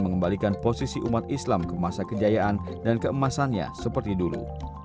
mengembalikan posisi umat islam ke masa kejayaan dan keemasannya seperti dulu